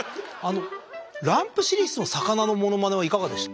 ランプシリスの魚のものまねはいかがでした？